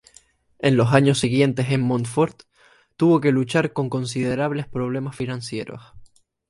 En los años siguientes en Montfort tuvo que luchar con considerables problemas financieros.